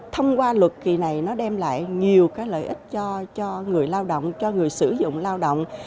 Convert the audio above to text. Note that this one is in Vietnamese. thông qua luật kỳ này nó đem lại nhiều cái lợi ích cho người lao động cho người sử dụng lao động